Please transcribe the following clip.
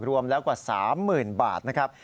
รวมแล้วกว่า๓๐๐๐บาทนะครับ